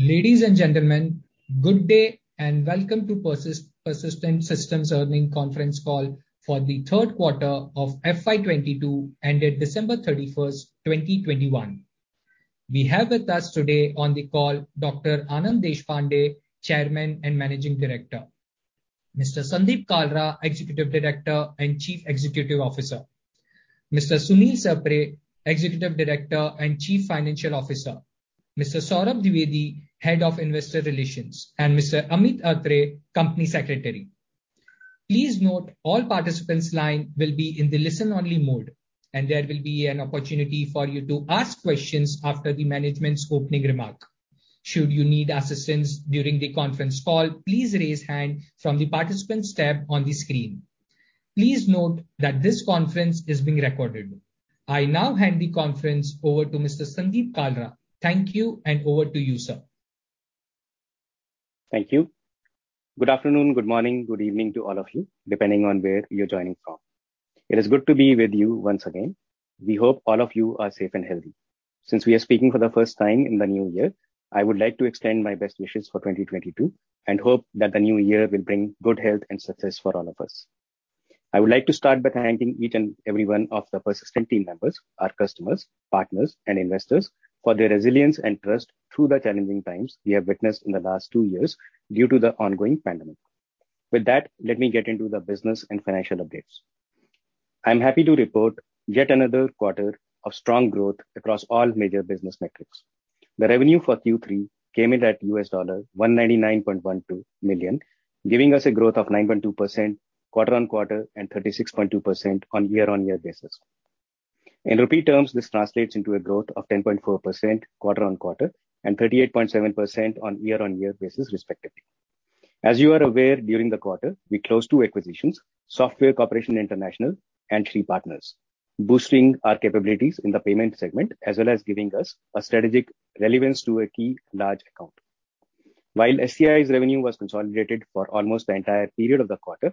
Ladies and gentlemen, good day and welcome to Persistent Systems earnings conference call for the third quarter of FY 2022 ended December 31, 2021. We have with us today on the call Dr. Anand Deshpande, Chairman and Managing Director. Mr. Sandeep Kalra, Executive Director and Chief Executive Officer. Mr. Sunil Sapre, Executive Director and Chief Financial Officer. Mr. Saurabh Dwivedi, Head of Investor Relations, and Mr. Amit Atre, Company Secretary. Please note all participants' lines will be in the listen-only mode, and there will be an opportunity for you to ask questions after the management's opening remark. Should you need assistance during the conference call, please raise hand from the Participants tab on the screen. Please note that this conference is being recorded. I now hand the conference over to Mr. Sandeep Kalra. Thank you, and over to you, sir. Thank you. Good afternoon, good morning, good evening to all of you, depending on where you're joining from. It is good to be with you once again. We hope all of you are safe and healthy. Since we are speaking for the first time in the new year, I would like to extend my best wishes for 2022 and hope that the new year will bring good health and success for all of us. I would like to start by thanking each and every one of the Persistent team members, our customers, partners, and investors for their resilience and trust through the challenging times we have witnessed in the last two years due to the ongoing pandemic. With that, let me get into the business and financial updates. I'm happy to report yet another quarter of strong growth across all major business metrics. The revenue for Q3 came in at $199.12 million, giving us a growth of 9.2% quarter-on-quarter and 36.2% year-on-year. In rupee terms, this translates into a growth of 10.4% quarter-on-quarter and 38.7% year-on-year respectively. As you are aware, during the quarter, we closed two acquisitions, Software Corporation International and Shree Partners, boosting our capabilities in the payment segment as well as giving us a strategic relevance to a key large account. While SCI's revenue was consolidated for almost the entire period of the quarter,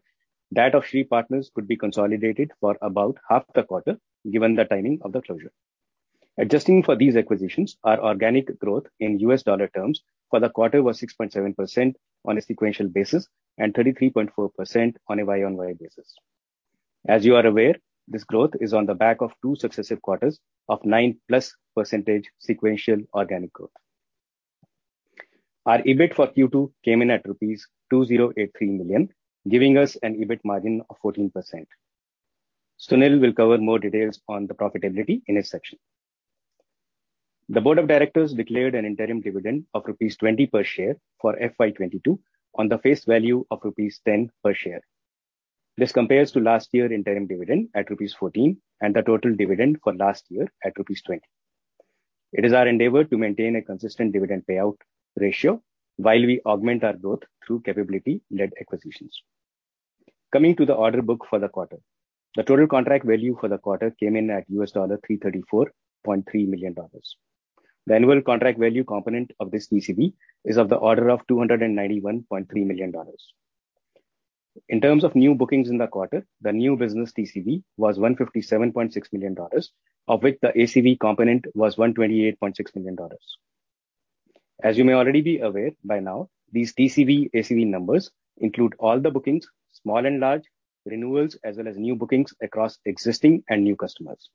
that of Shree Partners could be consolidated for about half the quarter given the timing of the closure. Adjusting for these acquisitions, our organic growth in U.S. dollar terms for the quarter was 6.7% on a sequential basis and 33.4% on a YoY basis. As you are aware, this growth is on the back of two successive quarters of 9%+ sequential organic growth. Our EBIT for Q2 came in at rupees 2083 million, giving us an EBIT margin of 14%. Sunil will cover more details on the profitability in his section. The board of directors declared an interim dividend of rupees 20 per share for FY 2022 on the face value of rupees 10 per share. This compares to last year interim dividend at rupees 14 and the total dividend for last year at rupees 20. It is our endeavor to maintain a consistent dividend payout ratio while we augment our growth through capability-led acquisitions. Coming to the order book for the quarter. The total contract value for the quarter came in at $334.3 million. The annual contract value component of this TCV is of the order of $291.3 million. In terms of new bookings in the quarter, the new business TCV was $157.6 million, of which the ACV component was $128.6 million. As you may already be aware by now, these TCV ACV numbers include all the bookings, small and large, renewals, as well as new bookings across existing and new customers.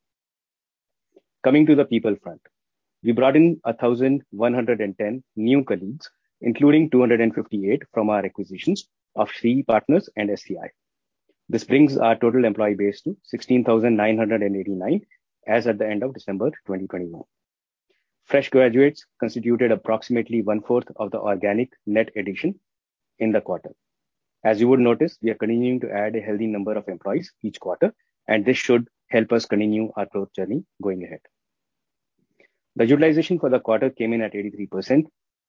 Coming to the people front. We brought in 1,110 new colleagues, including 258 from our acquisitions of Shree Partners and SCI. This brings our total employee base to 16,989 as at the end of December 2021. Fresh graduates constituted approximately one-fourth of the organic net addition in the quarter. As you would notice, we are continuing to add a healthy number of employees each quarter, and this should help us continue our growth journey going ahead. The utilization for the quarter came in at 83%.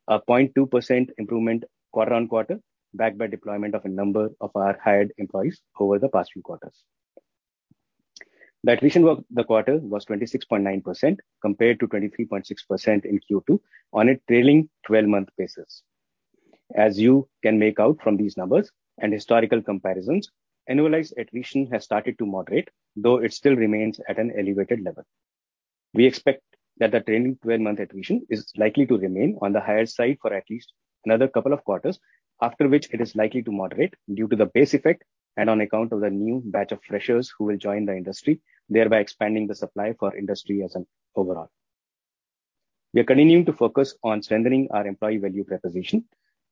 A 0.2% improvement quarter-on-quarter, backed by deployment of a number of our hired employees over the past few quarters. The attrition for the quarter was 26.9% compared to 23.6% in Q2 on a trailing 12-month basis. As you can make out from these numbers and historical comparisons, annualized attrition has started to moderate, though it still remains at an elevated level. We expect that the trailing 12-month attrition is likely to remain on the higher side for at least another couple of quarters, after which it is likely to moderate due to the base effect and on account of the new batch of freshers who will join the industry, thereby expanding the supply for industry as an overall. We are continuing to focus on strengthening our employee value proposition.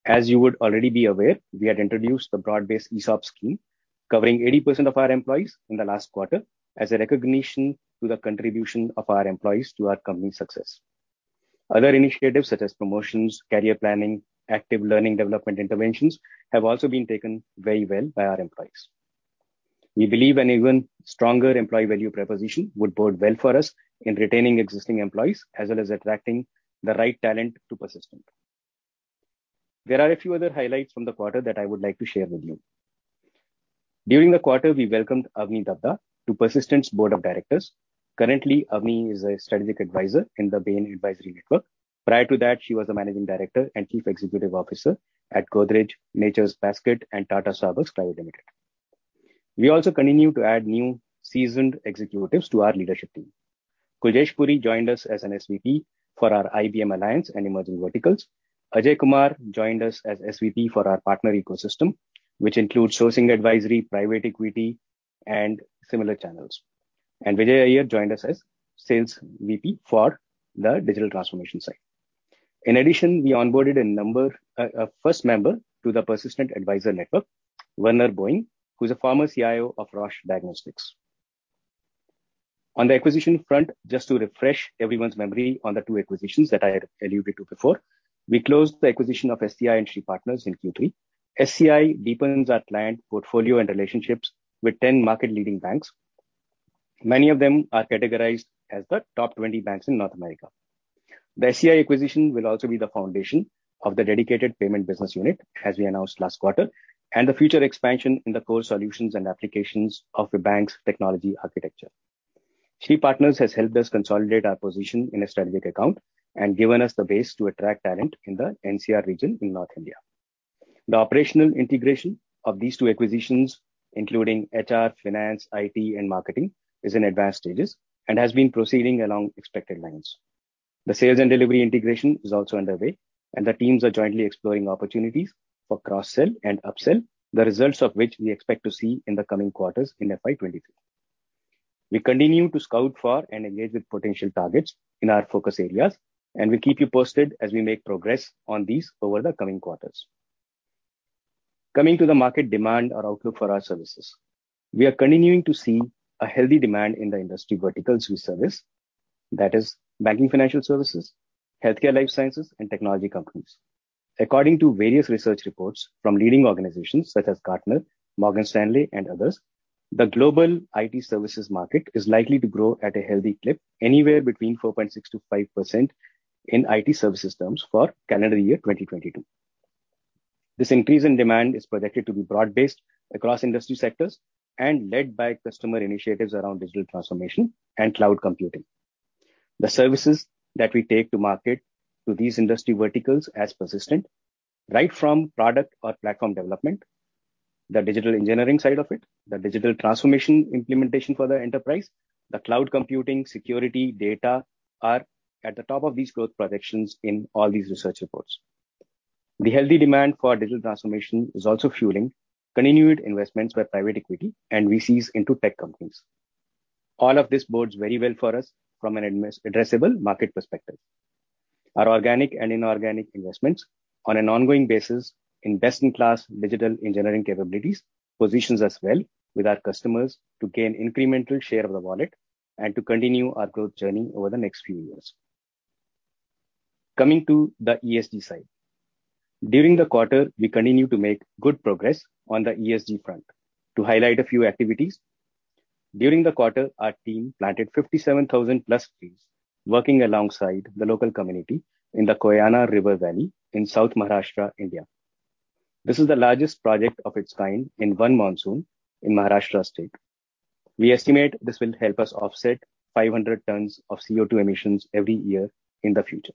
As you would already be aware, we had introduced the broad-based ESOP scheme covering 80% of our employees in the last quarter as a recognition to the contribution of our employees to our company success. Other initiatives such as promotions, career planning, active learning development interventions have also been taken very well by our employees. We believe an even stronger employee value proposition would bode well for us in retaining existing employees, as well as attracting the right talent to Persistent. There are a few other highlights from the quarter that I would like to share with you. During the quarter, we welcomed Avani Davda to Persistent's board of directors. Currently, Avani is a strategic advisor in the Bain Advisory Network. Prior to that, she was the managing director and chief executive officer at Godrej Nature's Basket and Tata Starbucks Private Limited. We also continue to add new seasoned executives to our leadership team. Kuljesh Puri joined us as an SVP for our IBM Alliance and Emerging Verticals. Ajay Kumar joined us as SVP for our partner ecosystem, which includes sourcing, advisory, private equity, and similar channels. Vijay Iyer joined us as Sales VP for the digital transformation side. In addition, we onboarded a first member to the Persistent Advisor Network, Werner Boeing, who's a former CIO of Roche Diagnostics. On the acquisition front, just to refresh everyone's memory on the two acquisitions that I had alluded to before. We closed the acquisition of SCI and Shree Partners in Q3. SCI deepens our client portfolio and relationships with 10 market-leading banks. Many of them are categorized as the top 20 banks in North America. The SCI acquisition will also be the foundation of the dedicated payment business unit, as we announced last quarter, and the future expansion in the core solutions and applications of the bank's technology architecture. Shree Partners has helped us consolidate our position in a strategic account and given us the base to attract talent in the NCR region in North India. The operational integration of these two acquisitions, including HR, finance, IT, and marketing, is in advanced stages and has been proceeding along expected lines. The sales and delivery integration is also underway, and the teams are jointly exploring opportunities for cross-sell and upsell, the results of which we expect to see in the coming quarters in FY 2023. We continue to scout for and engage with potential targets in our focus areas, and we'll keep you posted as we make progress on these over the coming quarters. Coming to the market demand or outlook for our services. We are continuing to see a healthy demand in the industry verticals we service. That is banking, financial services, healthcare, life sciences, and technology companies. According to various research reports from leading organizations such as Gartner, Morgan Stanley and others, the global IT services market is likely to grow at a healthy clip anywhere between 4.6%-5% in IT services terms for calendar year 2022. This increase in demand is projected to be broad-based across industry sectors and led by customer initiatives around digital transformation and cloud computing. The services that we take to market to these industry verticals as Persistent, right from product or platform development, the digital engineering side of it, the digital transformation implementation for the enterprise, the cloud computing, security, data, are at the top of these growth projections in all these research reports. The healthy demand for digital transformation is also fueling continued investments by private equity and VCs into tech companies. All of this bodes very well for us from an investable addressable market perspective. Our organic and inorganic investments on an ongoing basis in best-in-class digital engineering capabilities positions us well with our customers to gain incremental share of the wallet and to continue our growth journey over the next few years. Coming to the ESG side. During the quarter, we continue to make good progress on the ESG front, to highlight a few activities. During the quarter, our team planted 57,000+ trees working alongside the local community in the Koyana River Valley in South Maharashtra, India. This is the largest project of its kind in one monsoon in Maharashtra state. We estimate this will help us offset 500 tons of CO2 emissions every year in the future.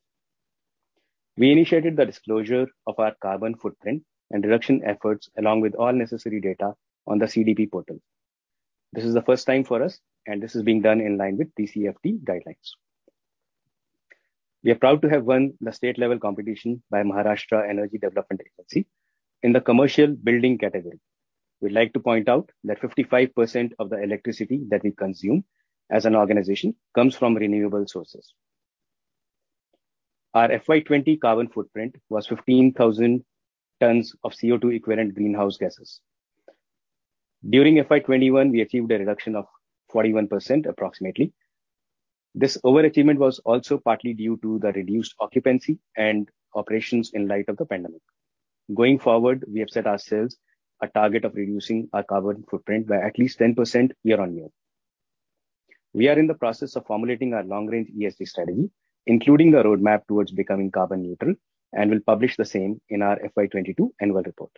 We initiated the disclosure of our carbon footprint and reduction efforts along with all necessary data on the CDP portal. This is the first time for us, and this is being done in line with TCFD guidelines. We are proud to have won the state-level competition by Maharashtra Energy Development Agency in the commercial building category. We'd like to point out that 55% of the electricity that we consume as an organization comes from renewable sources. Our FY 2020 carbon footprint was 15,000 tons of CO2 equivalent greenhouse gases. During FY 2021, we achieved a reduction of 41% approximately. This overachievement was also partly due to the reduced occupancy and operations in light of the pandemic. Going forward, we have set ourselves a target of reducing our carbon footprint by at least 10% year-on-year. We are in the process of formulating our long-range ESG strategy, including the roadmap towards becoming carbon neutral, and will publish the same in our FY 2022 annual report.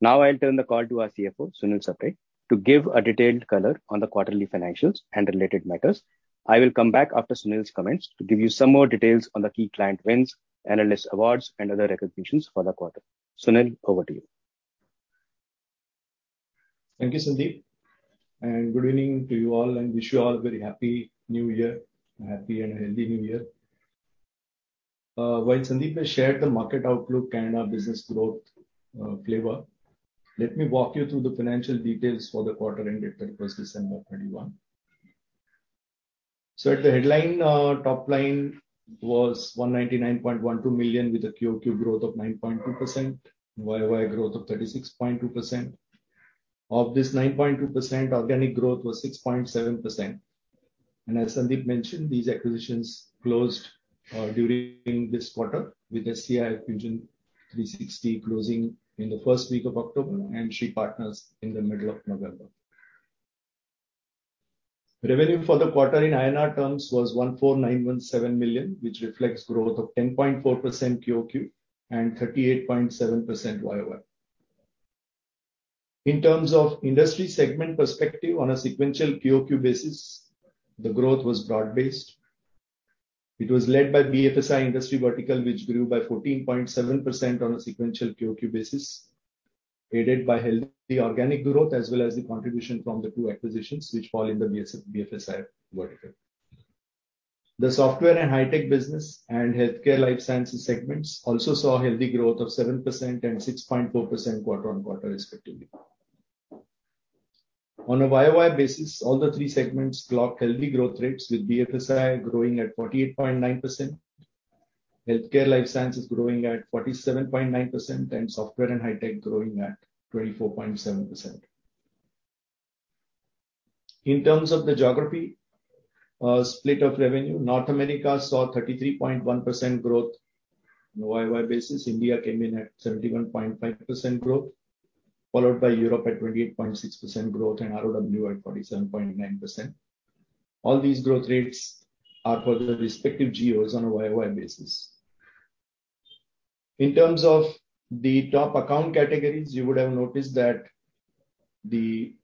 Now I'll turn the call to our CFO, Sunil Sapre, to give a detailed color on the quarterly financials and related matters. I will come back after Sunil's comments to give you some more details on the key client wins, analyst awards and other recognitions for the quarter. Sunil, over to you. Thank you, Sandeep, and good evening to you all and wish you all a very happy new year. A happy and healthy new year. While Sandeep has shared the market outlook and our business growth flavor, let me walk you through the financial details for the quarter ended 31 December 2021. At the headline, top line was $199.12 million with a 9.2% QoQ growth and 36.2% YoY growth. Of this 9.2%, organic growth was 6.7%. As Sandeep mentioned, these acquisitions closed during this quarter with SCI Fusion360 closing in the first week of October and Shree Partners in the middle of November. Revenue for the quarter in INR terms was 1491.7 million, which reflects growth of 10.4% QoQ and 38.7% YoY. In terms of industry segment perspective on a sequential QoQ basis, the growth was broad-based. It was led by BFSI industry vertical, which grew by 14.7% on a sequential QoQ basis, aided by healthy organic growth as well as the contribution from the two acquisitions which fall in the BFSI vertical. The Software and High-Tech business and Healthcare Life Sciences segments also saw healthy growth of 7% and 6.4% quarter-on-quarter respectively. On a YoY basis, all the three segments clocked healthy growth rates, with BFSI growing at 48.9%, Healthcare Life Sciences growing at 47.9%, and Software and High-Tech growing at 24.7%. In terms of the geography split of revenue, North America saw 33.1% growth on a YoY basis. India came in at 71.5% growth, followed by Europe at 28.6% growth, and ROW at 47.9%. All these growth rates are for the respective geos on a YoY basis. In terms of the top account categories, you would have noticed that the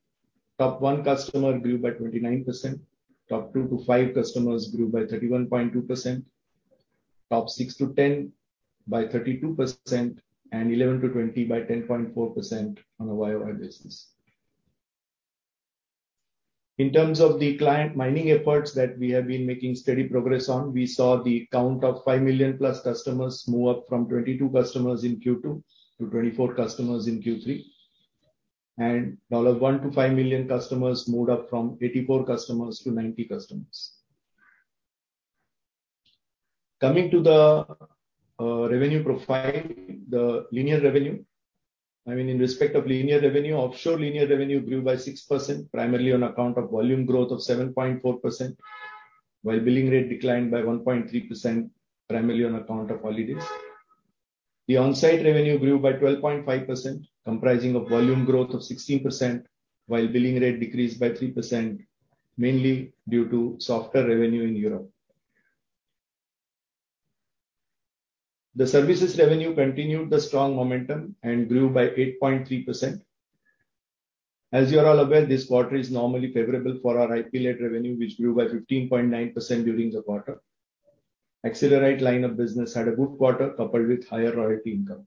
top one customer grew by 29%, top two to five customers grew by 31.2%, top six to 10 by 32%, and 11 to 20 by 10.4% on a YoY basis. In terms of the client mining efforts that we have been making steady progress on, we saw the count of $5 million-plus customers move up from 22 customers in Q2 to 24 customers in Q3. $1 million-$5 million customers moved up from 84 customers to 90 customers. Coming to the revenue profile. I mean, in respect of linear revenue, offshore linear revenue grew by 6%, primarily on account of volume growth of 7.4%, while billing rate declined by 1.3%, primarily on account of holidays. The onsite revenue grew by 12.5%, comprising of volume growth of 16%, while billing rate decreased by 3%, mainly due to softer revenue in Europe. The services revenue continued the strong momentum and grew by 8.3%. As you are all aware, this quarter is normally favorable for our IP-led revenue, which grew by 15.9% during the quarter. Accelerite line of business had a good quarter coupled with higher royalty income.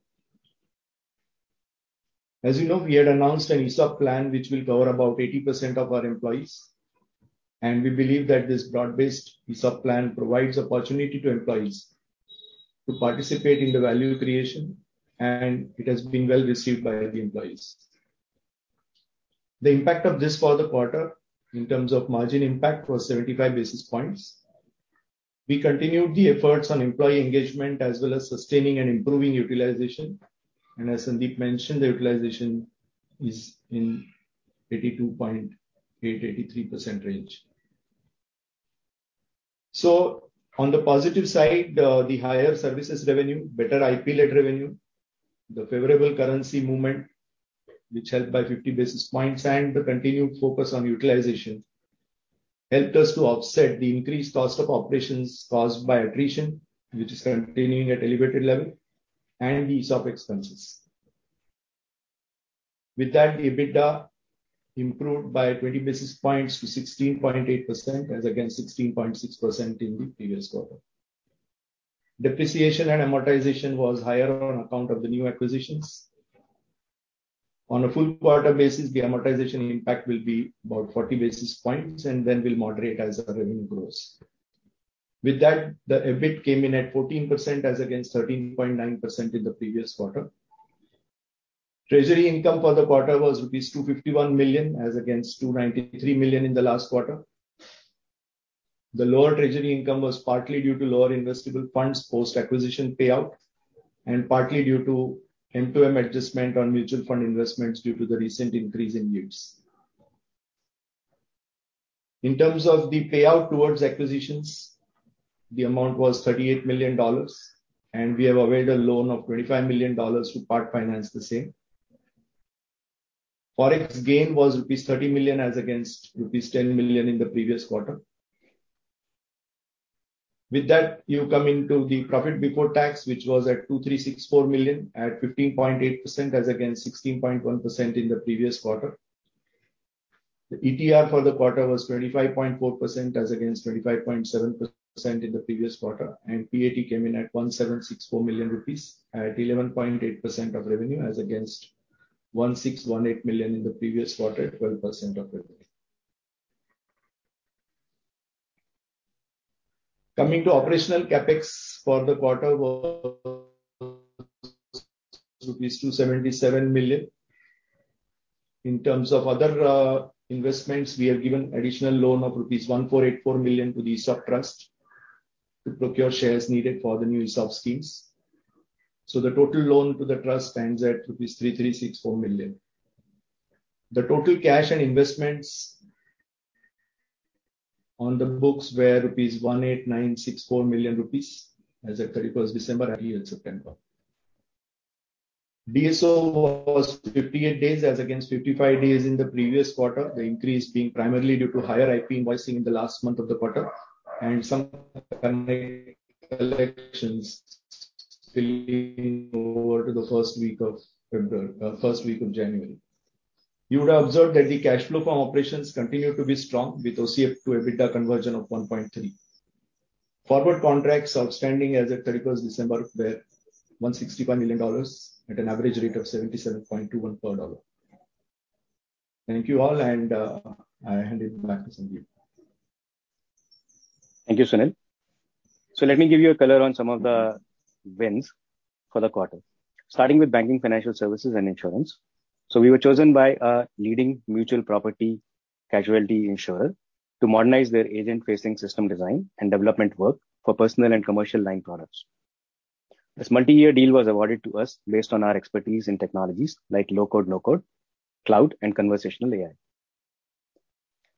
As you know, we had announced an ESOP plan which will cover about 80% of our employees, and we believe that this broad-based ESOP plan provides opportunity to employees to participate in the value creation, and it has been well received by the employees. The impact of this for the quarter in terms of margin impact was 75 basis points. We continued the efforts on employee engagement as well as sustaining and improving utilization, and as Sandeep mentioned, the utilization is in 82.8%-83% range. On the positive side, the higher services revenue, better IP-led revenue, the favorable currency movement, which helped by 50 basis points, and the continued focus on utilization helped us to offset the increased cost of operations caused by attrition, which is continuing at elevated level and the ESOP expenses. With that, EBITDA improved by 20 basis points to 16.8% as against 16.6% in the previous quarter. Depreciation and amortization was higher on account of the new acquisitions. On a full quarter basis, the amortization impact will be about 40 basis points and then will moderate as our revenue grows. With that, the EBIT came in at 14% as against 13.9% in the previous quarter. Treasury income for the quarter was rupees 251 million, as against 293 million in the last quarter. The lower treasury income was partly due to lower investable funds post-acquisition payout, and partly due to MTM adjustment on mutual fund investments due to the recent increase in yields. In terms of the payout towards acquisitions, the amount was $38 million, and we have availed a loan of $25 million to part-finance the same. Forex gain was rupees 30 million as against rupees 10 million in the previous quarter. With that, you come into the profit before tax, which was at 2,364 million, at 15.8% as against 16.1% in the previous quarter. The ETR for the quarter was 25.4% as against 25.7% in the previous quarter, and PAT came in at 1,764 million rupees at 11.8% of revenue, as against 1,618 million in the previous quarter at 12% of revenue. Coming to operational CapEx for the quarter was rupees 277 million. In terms of other investments, we have given additional loan of rupees 148.4 million to the ESOP trust to procure shares needed for the new ESOP schemes. The total loan to the trust stands at rupees 336.4 million. The total cash and investments on the books were 1,896.4 million rupees as at thirty-first December. DSO was 58 days as against 55 days in the previous quarter. The increase being primarily due to higher IP invoicing in the last month of the quarter and some collections spilling over to the first week of January. You would have observed that the cash flow from operations continue to be strong with OCF to EBITDA conversion of 1.3. Forward contracts outstanding as at 31 December were $161 million at an average rate of 77.21 per dollar. Thank you all, and I hand it back to Sandeep. Thank you, Sunil. Let me give you a color on some of the wins for the quarter. Starting with banking, financial services, and insurance. We were chosen by a leading mutual property casualty insurer to modernize their agent-facing system design and development work for personal and commercial line products. This multi-year deal was awarded to us based on our expertise in technologies like low-code, no-code, cloud, and conversational AI.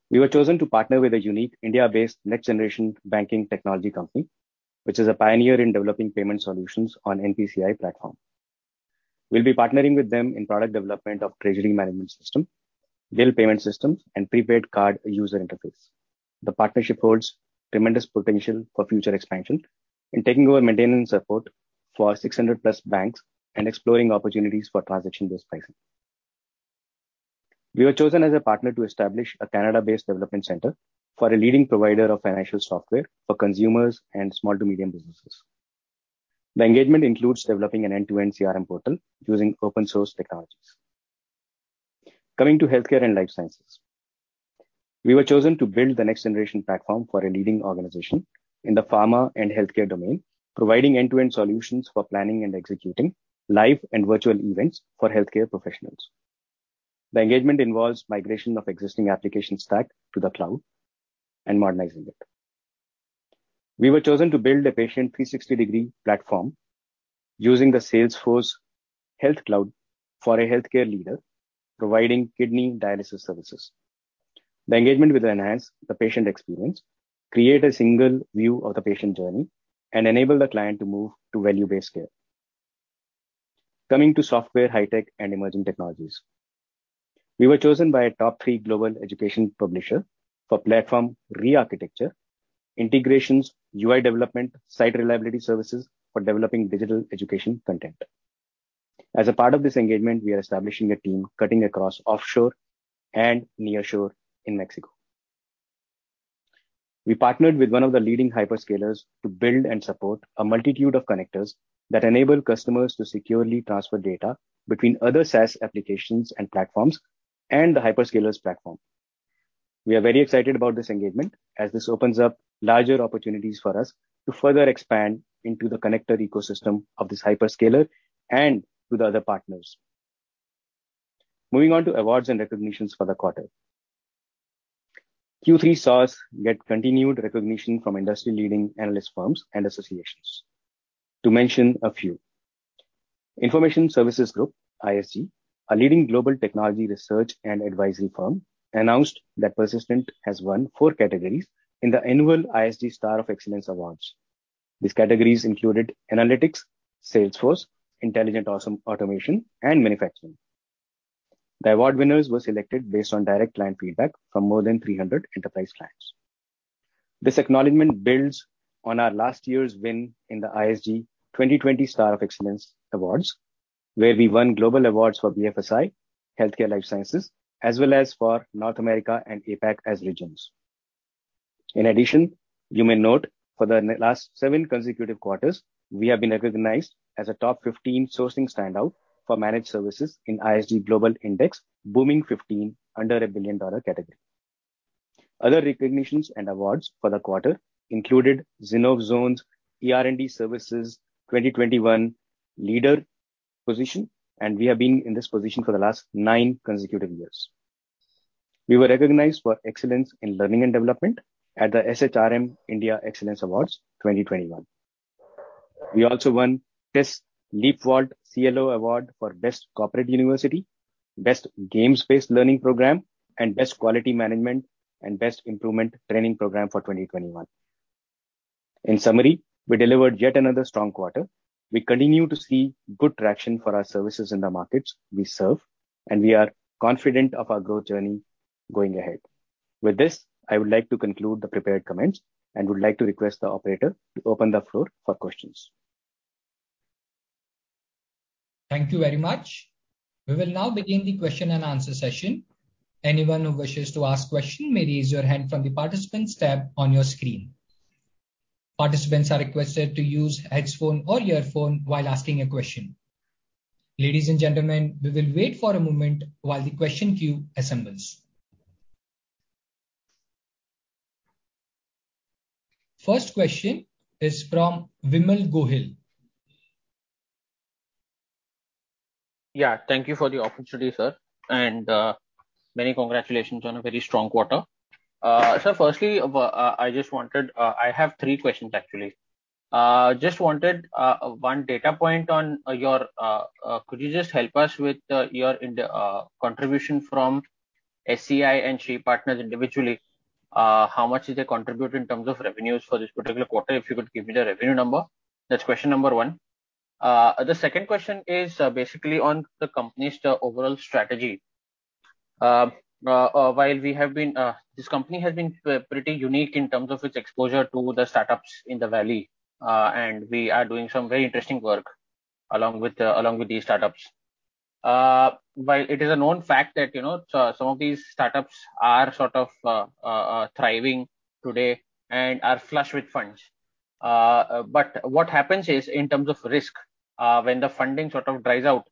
We were chosen to partner with a unique India-based next-generation banking technology company, which is a pioneer in developing payment solutions on NPCI platform. We'll be partnering with them in product development of treasury management system, real payment systems, and prepaid card user interface. The partnership holds tremendous potential for future expansion in taking over maintenance support for 600+ banks and exploring opportunities for transaction-based pricing. We were chosen as a partner to establish a Canada-based development center for a leading provider of financial software for consumers and small to medium businesses. The engagement includes developing an end-to-end CRM portal using open-source technologies. Coming to Healthcare and Life Sciences. We were chosen to build the next-generation platform for a leading organization in the pharma and healthcare domain, providing end-to-end solutions for planning and executing live and virtual events for healthcare professionals. The engagement involves migration of existing application stack to the cloud and modernizing it. We were chosen to build a patient 360-degree platform using the Salesforce Health Cloud for a healthcare leader providing kidney dialysis services. The engagement will enhance the patient experience, create a single view of the patient journey, and enable the client to move to value-based care. Coming to Software, High Tech, and Emerging Technologies. We were chosen by a top three global education publisher for platform re-architecture, integrations, UI development, site reliability services for developing digital education content. As a part of this engagement, we are establishing a team cutting across offshore and nearshore in Mexico. We partnered with one of the leading hyperscalers to build and support a multitude of connectors that enable customers to securely transfer data between other SaaS applications and platforms, and the hyperscaler's platform. We are very excited about this engagement as this opens up larger opportunities for us to further expand into the connector ecosystem of this hyperscaler and to the other partners. Moving on to awards and recognitions for the quarter. Q3 saw us get continued recognition from industry-leading analyst firms and associations. To mention a few. Information Services Group, ISG, a leading global technology research and advisory firm, announced that Persistent has won four categories in the annual ISG Star of Excellence Awards. These categories included analytics, Salesforce, intelligent automation, and manufacturing. The award winners were selected based on direct client feedback from more than 300 enterprise clients. This acknowledgement builds on our last year's win in the ISG 2020 Star of Excellence Awards, where we won global awards for BFSI, healthcare life sciences, as well as for North America and APAC as regions. In addition, you may note for the in the last seven consecutive quarters, we have been recognized as a top 15 sourcing standout for managed services in ISG Global Index Booming 15 under a billion-dollar category. Other recognitions and awards for the quarter included Zinnov Zones ER&D Services 2021 leader position, and we have been in this position for the last nine consecutive years. We were recognized for excellence in learning and development at the SHRM India Excellence Awards 2021. We also won TISS LeapVault CLO Award for Best Corporate University, Best Games-based Learning Program, and Best Quality Management and Best Improvement Training Program for 2021. In summary, we delivered yet another strong quarter. We continue to see good traction for our services in the markets we serve, and we are confident of our growth journey going ahead. With this, I would like to conclude the prepared comments and would like to request the operator to open the floor for questions. Thank you very much. We will now begin the question and answer session. Anyone who wishes to ask a question may raise your hand from the Participants tab on your screen. Participants are requested to use headphone or earphone while asking a question. Ladies and gentlemen, we will wait for a moment while the question queue assembles. First question is from Vimal Gohil. Yeah. Thank you for the opportunity, sir. Many congratulations on a very strong quarter. Sir, firstly, I just wanted. I have three questions, actually. Just wanted one data point on your contribution from SCI and Shree Partners individually. How much do they contribute in terms of revenues for this particular quarter? If you could give me the revenue number. That's question number one. The second question is basically on the company's overall strategy. While this company has been pretty unique in terms of its exposure to the startups in the valley, and we are doing some very interesting work along with these startups. While it is a known fact that, you know, some of these startups are sort of thriving today and are flush with funds. What happens is in terms of risk, when the funding sort of dries out,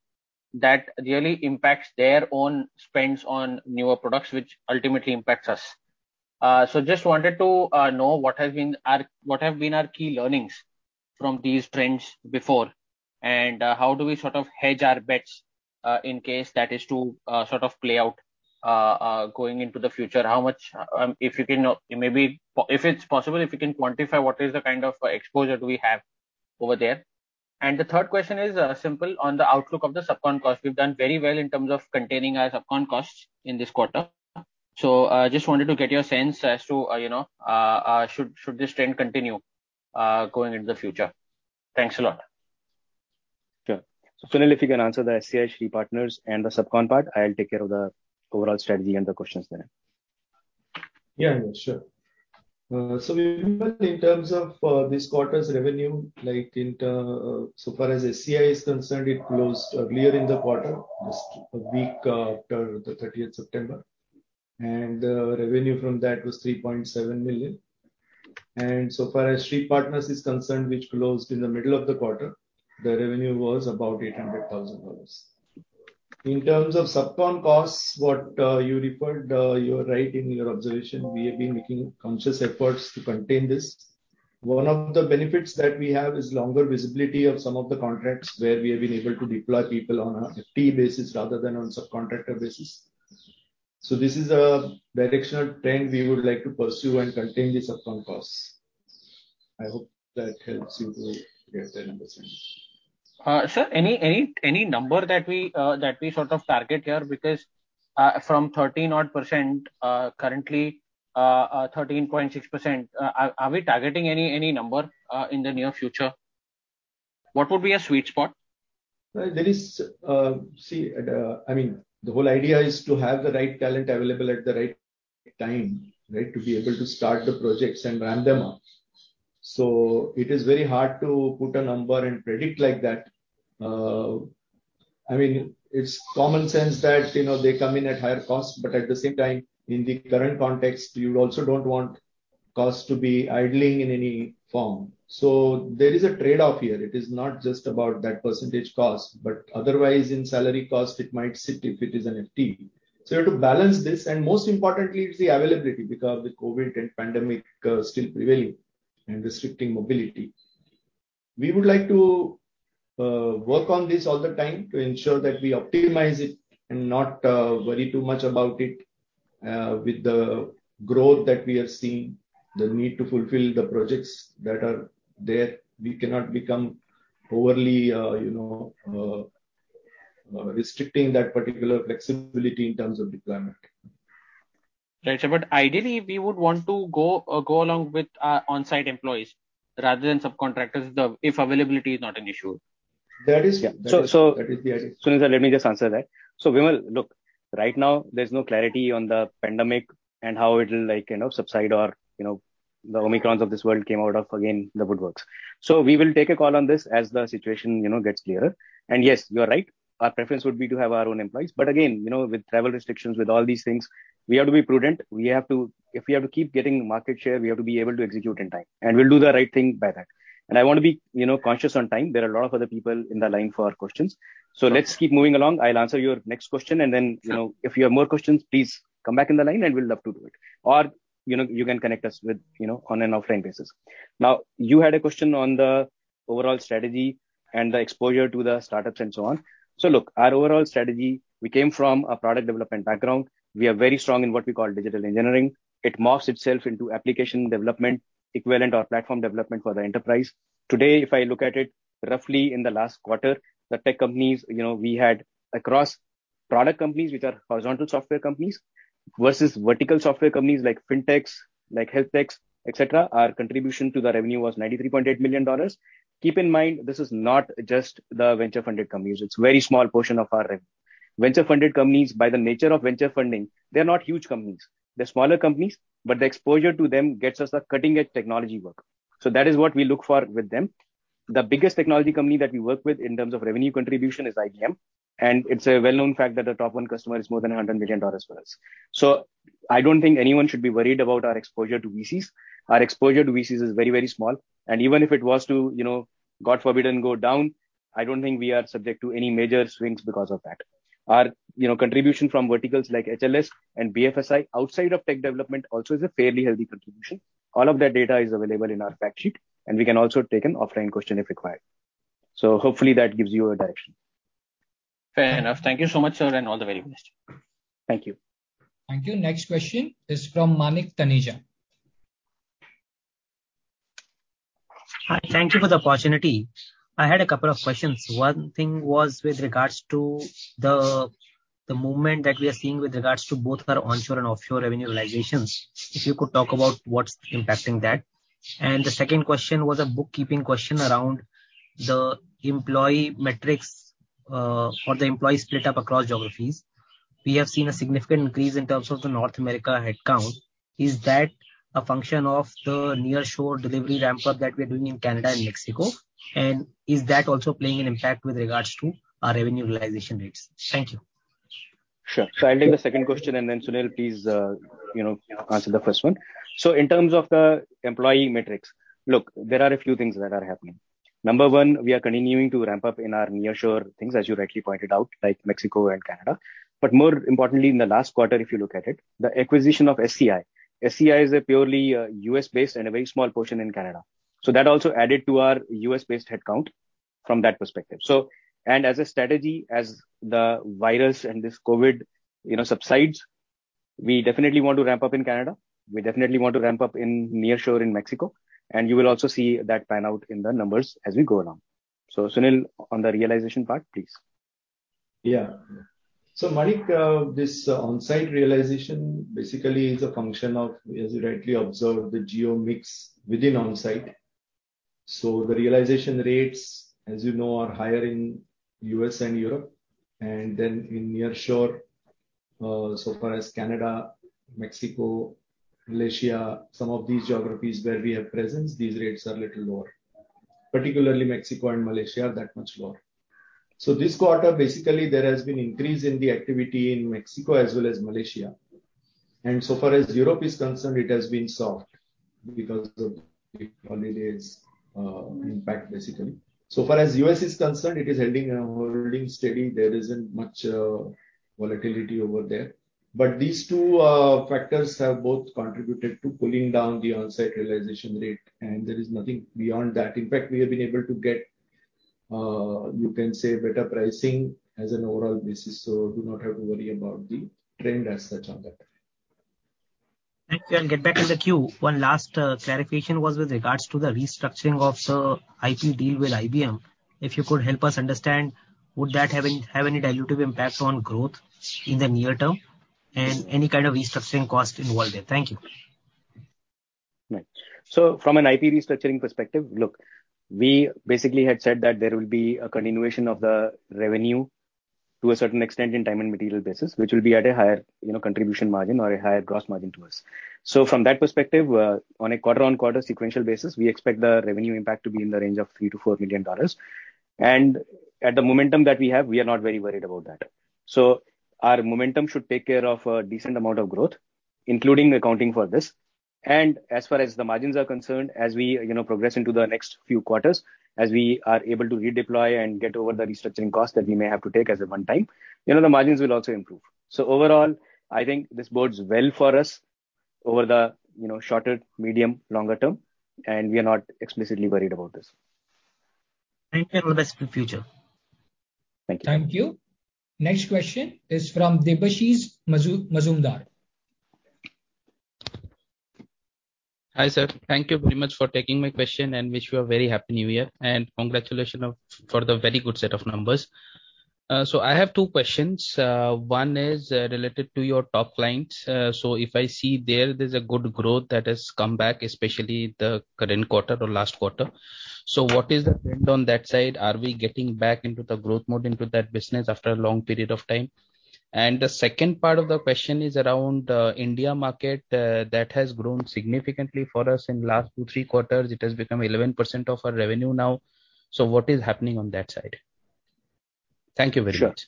that really impacts their own spends on newer products which ultimately impacts us. Just wanted to know what have been our key learnings from these trends before, and how do we sort of hedge our bets, in case that is to sort of play out, going into the future. How much, if you can, maybe if it's possible, if you can quantify what is the kind of exposure do we have over there. The third question is simple, on the outlook of the subcon costs. We've done very well in terms of containing our subcon costs in this quarter. Just wanted to get your sense as to, you know, should this trend continue, going into the future? Thanks a lot. Sure. Sunil, if you can answer the SCI, Shree Partners, and the subcon part, I'll take care of the overall strategy and the questions there. Yeah. Sure. Vimal, in terms of this quarter's revenue, like so far as SCI is concerned, it closed earlier in the quarter, just a week after the 30th September. Revenue from that was $3.7 million. So far as Shree Partners is concerned, which closed in the middle of the quarter, the revenue was about $800,000. In terms of subcon costs, what you referred, you are right in your observation. We have been making conscious efforts to contain this. One of the benefits that we have is longer visibility of some of the contracts where we have been able to deploy people on a fee basis rather than on subcontractor basis. This is a directional trend we would like to pursue and contain the subcon costs. I hope that helps you to get the numbers. Sir, any number that we sort of target here? Because from 13-odd %, 13.6%, are we targeting any number in the near future? What would be a sweet spot? Well, there is- I mean, the whole idea is to have the right talent available at the right time, right? To be able to start the projects and ramp them up. It is very hard to put a number and predict like that. I mean, it's common sense that, you know, they come in at higher costs, but at the same time, in the current context, you also don't want costs to be idling in any form. There is a trade-off here. It is not just about that percentage cost. Otherwise in salary cost it might sit if it is an FT. You have to balance this, and most importantly it's the availability because the COVID and pandemic still prevailing and restricting mobility. We would like to work on this all the time to ensure that we optimize it and not worry too much about it. With the growth that we have seen, the need to fulfill the projects that are there, we cannot become overly, you know, restricting that particular flexibility in terms of deployment. Ideally we would want to go along with our on-site employees rather than subcontractors, if availability is not an issue. That is- Yeah. That is the idea. Sunil, let me just answer that. Vimal, look, right now there's no clarity on the pandemic and how it'll like, you know, subside or, you know, the Omicrons of this world came out of the woodwork again. We will take a call on this as the situation, you know, gets clearer. Yes, you are right, our preference would be to have our own employees. Again, you know, with travel restrictions, with all these things, we have to be prudent. We have to. If we have to keep getting market share, we have to be able to execute in time. We'll do the right thing by that. I wanna be, you know, conscious on time. There are a lot of other people in the line for questions. Let's keep moving along. I'll answer your next question and then, you know, if you have more questions, please come back in the line and we'll love to do it. Or, you know, you can connect us with, you know, on and offline basis. Now, you had a question on the overall strategy and the exposure to the startups and so on. Look, our overall strategy, we came from a product development background. We are very strong in what we call digital engineering. It morphs itself into application development equivalent or platform development for the enterprise. Today, if I look at it roughly in the last quarter, the tech companies, you know, we had across product companies which are horizontal software companies versus vertical software companies like fintechs, like healthtechs, et cetera, our contribution to the revenue was $93.8 million. Keep in mind this is not just the venture-funded companies. It's a very small portion of our rev. Venture-funded companies, by the nature of venture funding, they're not huge companies. They're smaller companies. The exposure to them gets us the cutting-edge technology work. That is what we look for with them. The biggest technology company that we work with in terms of revenue contribution is IBM, and it's a well-known fact that the top one customer is more than $100 million for us. I don't think anyone should be worried about our exposure to VCs. Our exposure to VCs is very, very small, and even if it was to, you know, God forbid, and go down, I don't think we are subject to any major swings because of that. Our, you know, contribution from verticals like HLS and BFSI outside of tech development also is a fairly healthy contribution. All of that data is available in our fact sheet, and we can also take an offline question if required. Hopefully that gives you a direction. Fair enough. Thank you so much, sir, and all the very best. Thank you. Thank you. Next question is from Manik Taneja. Hi. Thank you for the opportunity. I had a couple of questions. One thing was with regards to the movement that we are seeing with regards to both our onshore and offshore revenue realizations. If you could talk about what's impacting that. The second question was a bookkeeping question around the employee metrics. For the employee split up across geographies, we have seen a significant increase in terms of the North America headcount. Is that a function of the nearshore delivery ramp-up that we are doing in Canada and Mexico? And is that also playing an impact with regards to our revenue realization rates? Thank you. Sure. I'll take the second question and then, Sunil, please, answer the first one. In terms of the employee metrics, look, there are a few things that are happening. Number one, we are continuing to ramp up in our nearshore things, as you rightly pointed out, like Mexico and Canada. More importantly, in the last quarter, if you look at it, the acquisition of SCI. SCI is a purely U.S.-based and a very small portion in Canada. That also added to our U.S.-based headcount from that perspective. As a strategy, as the virus and this COVID subsides, we definitely want to ramp up in Canada. We definitely want to ramp up in nearshore in Mexico. You will also see that pan out in the numbers as we go along. Sunil, on the realization part, please. Yeah. Manik, this onsite realization basically is a function of, as you rightly observed, the geo mix within onsite. The realization rates, as you know, are higher in U.S. and Europe and then in nearshore, so far as Canada, Mexico, Malaysia, some of these geographies where we have presence, these rates are a little lower. Particularly Mexico and Malaysia are that much lower. This quarter, basically there has been increase in the activity in Mexico as well as Malaysia. Far as Europe is concerned, it has been soft because of the holidays impact basically. Far as U.S. is concerned, it is holding steady. There isn't much volatility over there. But these two factors have both contributed to pulling down the onsite realization rate, and there is nothing beyond that. In fact, we have been able to get, you can say better pricing as an overall basis, so do not have to worry about the trend as such on that. Thank you. I'll get back in the queue. One last clarification was with regards to the restructuring of the IP deal with IBM. If you could help us understand, would that have any dilutive impact on growth in the near term and any kind of restructuring cost involved there? Thank you. Right. From an IP restructuring perspective, look, we basically had said that there will be a continuation of the revenue to a certain extent in time and material basis, which will be at a higher, you know, contribution margin or a higher gross margin to us. From that perspective, on a quarter-on-quarter sequential basis, we expect the revenue impact to be in the range of $3 million-$4 million. At the momentum that we have, we are not very worried about that. Our momentum should take care of a decent amount of growth, including accounting for this. As far as the margins are concerned, as we, you know, progress into the next few quarters, as we are able to redeploy and get over the restructuring costs that we may have to take as a one-time, you know, the margins will also improve. Overall, I think this bodes well for us over the, you know, shorter, medium, longer term, and we are not explicitly worried about this. Thank you, and all the best for the future. Thank you. Thank you. Next question is from Debashish Mazumdar. Hi, sir. Thank you very much for taking my question and wish you a very happy new year, and congratulations for the very good set of numbers. I have two questions. One is related to your top clients. If I see there's a good growth that has come back, especially the current quarter or last quarter. What is the trend on that side? Are we getting back into the growth mode into that business after a long period of time? The second part of the question is around India market that has grown significantly for us in last two, three quarters. It has become 11% of our revenue now. What is happening on that side? Thank you very much.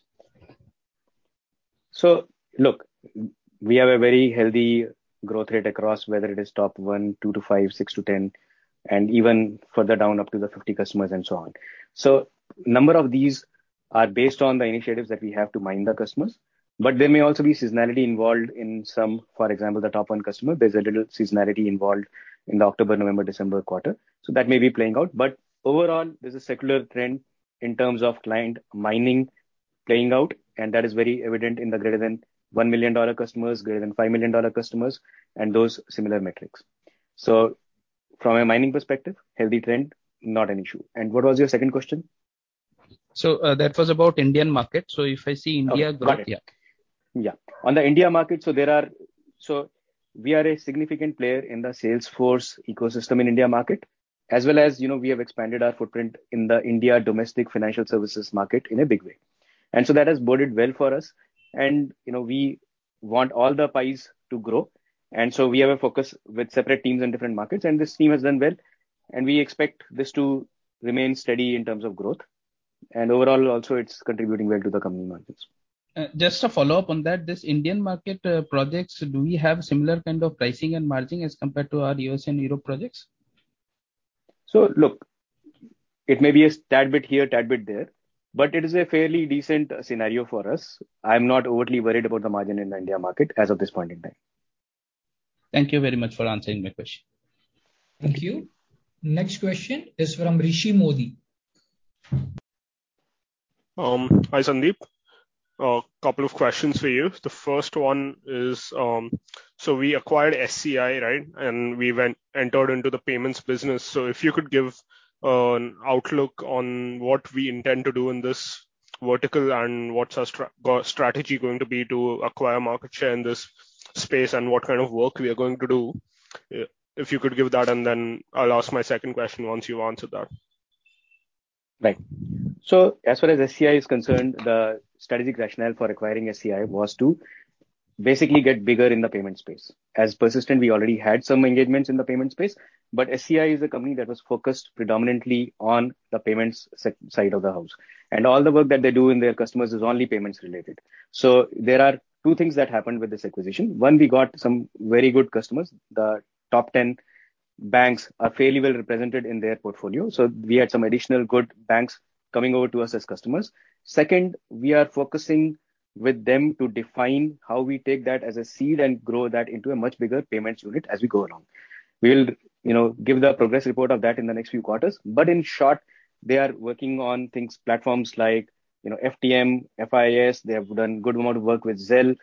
Sure. Look, we have a very healthy growth rate across whether it is top 1, 2-5, 6-10, and even further down up to the 50 customers and so on. Number of these are based on the initiatives that we have to mine the customers. There may also be seasonality involved in some, for example, the top one customer. There's a little seasonality involved in the October, November, December quarter. That may be playing out. Overall, there's a secular trend in terms of client mining playing out, and that is very evident in the greater than $1 million customers, greater than $5 million customers and those similar metrics. From a mining perspective, healthy trend, not an issue. What was your second question? That was about Indian market. If I see India growth. Yeah. Yeah. On the India market, we are a significant player in the Salesforce ecosystem in India market as well as, you know, we have expanded our footprint in the India domestic financial services market in a big way. That has boded well for us. You know, we want all the pies to grow. We have a focus with separate teams in different markets, and this team has done well, and we expect this to remain steady in terms of growth. Overall, also, it's contributing well to the company margins. Just a follow-up on that. This Indian market projects, do we have similar kind of pricing and margin as compared to our U.S. and Europe projects? Look, it may be a tad bit here, tad bit there, but it is a fairly decent scenario for us. I'm not overly worried about the margin in the India market as of this point in time. Thank you very much for answering my question. Thank you. Next question is from Rishi Modi. Hi, Sandeep. A couple of questions for you. The first one is, we acquired SCI, right? We entered into the payments business. If you could give an outlook on what we intend to do in this vertical and what's our strategy going to be to acquire market share in this space and what kind of work we are going to do. If you could give that, and then I'll ask my second question once you've answered that. Right. As far as SCI is concerned, the strategic rationale for acquiring SCI was to basically get bigger in the payment space. As Persistent, we already had some engagements in the payment space, but SCI is a company that was focused predominantly on the payments side of the house, and all the work that they do for their customers is only payments-related. There are two things that happened with this acquisition. One, we got some very good customers. The top 10 banks are fairly well represented in their portfolio, so we had some additional good banks coming over to us as customers. Second, we are focusing with them to define how we take that as a seed and grow that into a much bigger payments unit as we go along. We'll, you know, give the progress report of that in the next few quarters. In short, they are working on things, platforms like, you know, Fiserv, FIS. They have done a good amount of work with Zelle,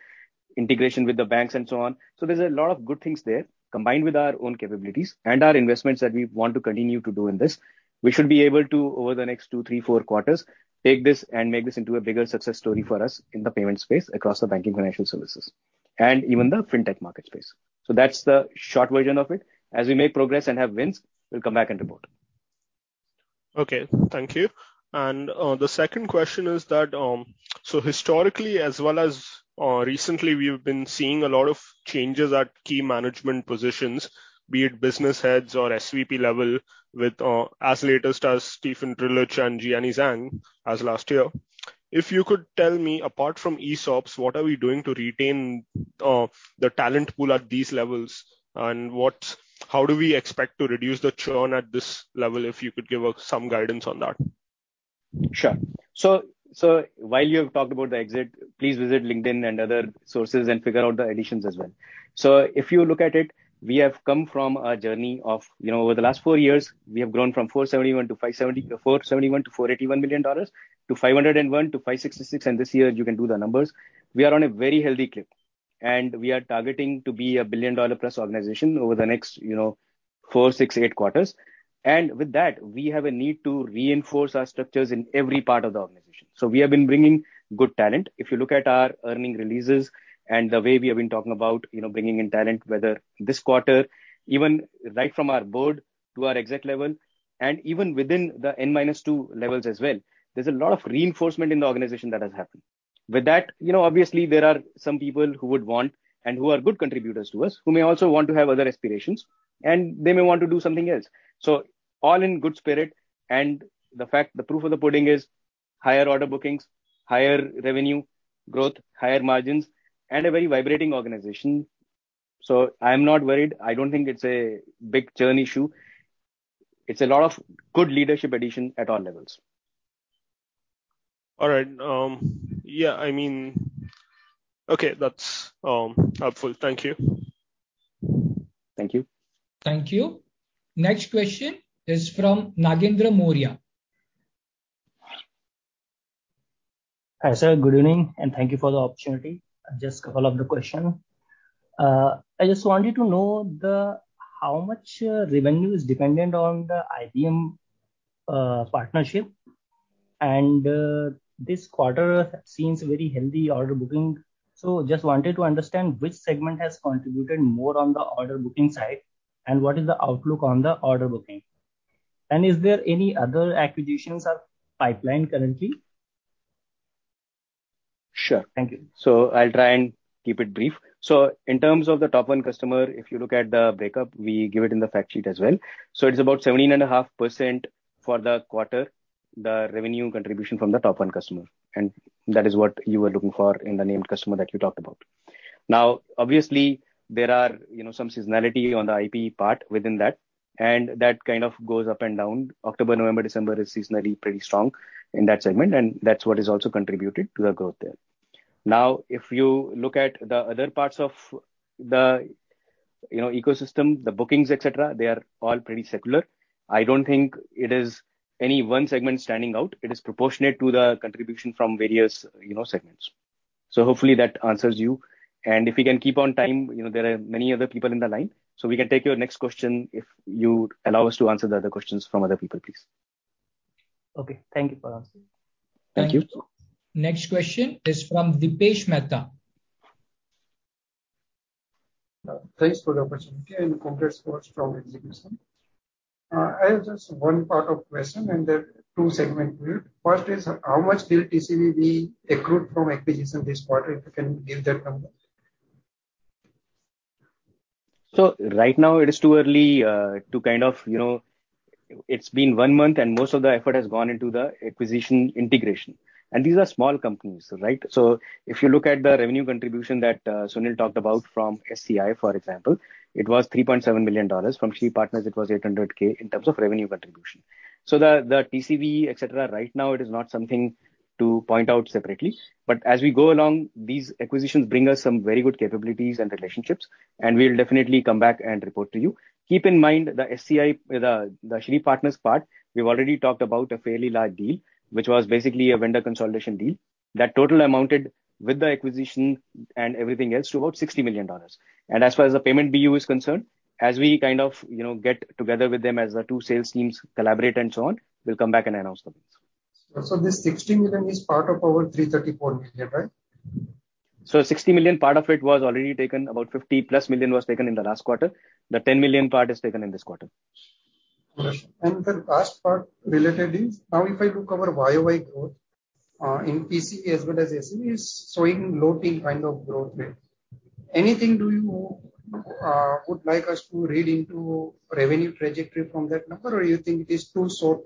integration with the banks and so on. There's a lot of good things there. Combined with our own capabilities and our investments that we want to continue to do in this, we should be able to, over the next two, three, four quarters, take this and make this into a bigger success story for us in the payment space across the banking financial services and even the fintech market space. That's the short version of it. As we make progress and have wins, we'll come back and report. Okay. Thank you. The second question is that, so historically, as well as, recently, we've been seeing a lot of changes at key management positions, be it business heads or SVP level with, as latest as Steffen Drillich and Jiani Zhang as last year. If you could tell me, apart from ESOPs, what are we doing to retain the talent pool at these levels, and how do we expect to reduce the churn at this level? If you could give us some guidance on that. Sure. While you have talked about the exit, please visit LinkedIn and other sources and figure out the additions as well. If you look at it, we have come from a journey of, you know, over the last four years, we have grown from $471 million to $481 million to $501 million to $566 million, and this year you can do the numbers. We are on a very healthy clip, and we are targeting to be a billion-dollar-plus organization over the next, you know, four, six, eight quarters. With that, we have a need to reinforce our structures in every part of the organization. We have been bringing good talent. If you look at our earnings releases and the way we have been talking about, you know, bringing in talent, whether this quarter, even right from our board to our exec level and even within the N-2 levels as well, there's a lot of reinforcement in the organization that has happened. With that, you know, obviously there are some people who would want, and who are good contributors to us, who may also want to have other aspirations, and they may want to do something else. All in good spirit. The fact, the proof of the pudding is higher order bookings, higher revenue growth, higher margins, and a very vibrant organization. I'm not worried. I don't think it's a big churn issue. It's a lot of good leadership addition at all levels. All right. Yeah, I mean. Okay, that's helpful. Thank you. Thank you. Thank you. Next question is from Nagendra Maurya. Hi, sir. Good evening, and thank you for the opportunity. Just a couple of questions. I just wanted to know how much revenue is dependent on the IBM partnership. This quarter seems very healthy order booking. Just wanted to understand which segment has contributed more on the order booking side, and what is the outlook on the order booking? Is there any other acquisitions or pipeline currently? Sure. Thank you. I'll try and keep it brief. In terms of the top one customer, if you look at the breakup, we give it in the fact sheet as well. It's about 17.5% for the quarter, the revenue contribution from the top one customer, and that is what you were looking for in the named customer that you talked about. Now, obviously, there are, you know, some seasonality on the IP part within that, and that kind of goes up and down. October, November, December is seasonally pretty strong in that segment, and that's what is also contributed to the growth there. Now, if you look at the other parts of the, you know, ecosystem, the bookings, et cetera, they are all pretty secular. I don't think it is any one segment standing out. It is proportionate to the contribution from various, you know, segments. Hopefully that answers you. If we can keep on time, you know, there are many other people in the line. We can take your next question if you allow us to answer the other questions from other people, please. Okay. Thank you for answering. Thank you. Next question is from Dipesh Mehta. Thanks for the opportunity and congrats for strong execution. I have just one part of question and there are two segment to it. First is how much will TCV be accrued from acquisition this quarter? If you can give that number. Right now it is too early to kind of. It's been one month, and most of the effort has gone into the acquisition integration. These are small companies, right? If you look at the revenue contribution that Sunil talked about from SCI, for example, it was $3.7 million. From Shree Partners, it was $800K in terms of revenue contribution. The TCV, et cetera, right now it is not something to point out separately. As we go along, these acquisitions bring us some very good capabilities and relationships, and we'll definitely come back and report to you. Keep in mind the SCI, the Shree Partners part, we've already talked about a fairly large deal, which was basically a vendor consolidation deal that total amounted with the acquisition and everything else to about $60 million. As far as the payment BU is concerned, as we kind of, you know, get together with them as the two sales teams collaborate and so on, we'll come back and announce the wins. This $60 million is part of our $334 million, right? $60 million part of it was already taken. About $50+ million was taken in the last quarter. The $10 million part is taken in this quarter. The last part related is now if I look our YoY growth in TCV as well as ACV is showing low-teens kind of growth rate. Anything you would like us to read into revenue trajectory from that number or you think it is too short